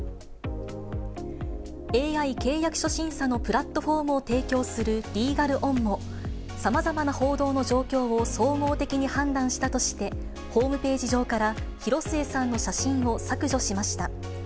ＡＩ契約書審査のプラットフォームを提供するリーガルオンも、さまざまな報道の状況を総合的に判断したとして、ホームページ上から広末さんの写真を削除しました。